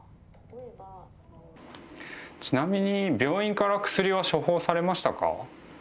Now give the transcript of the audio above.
ちなみに病院から薬は処方されましたか。